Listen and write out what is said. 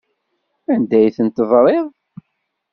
Anda ay ten-tedriḍ?